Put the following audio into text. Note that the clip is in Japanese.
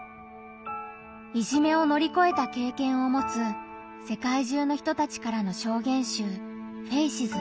いじめを乗り越えた経験を持つ世界中の人たちからの証言集「ＦＡＣＥＳ」。